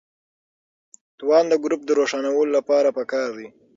توان د ګروپ د روښانولو لپاره پکار دی.